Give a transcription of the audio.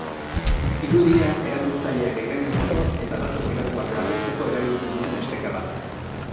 Irudia erabiltzaileak engainatzeko eta datu pribatuak lapurtzeko erabiltzen duten esteka bat da.